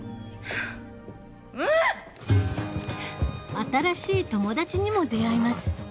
新しい友達にも出会います